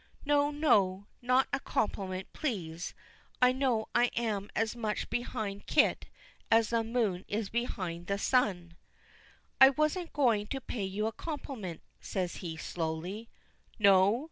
"No, no, not a compliment, please. I know I am as much behind Kit as the moon is behind the sun." "I wasn't going to pay you a compliment," says he, slowly. "No?"